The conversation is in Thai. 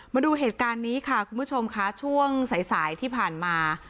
มาดูเหตุการณ์นี้ค่ะคุณผู้ชมค่ะช่วงสายสายที่ผ่านมา